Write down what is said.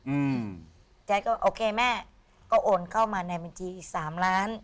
อืมใจก็โอเคแม่ก็โอนเข้ามาในบัญชีอีกสามล้าน